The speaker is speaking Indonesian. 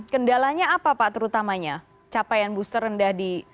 kendalanya apa pak terutamanya capaian booster rendah di